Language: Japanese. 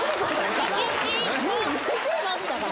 見てましたから。